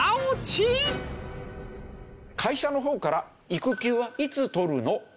会社の方から「育休はいつ取るの？」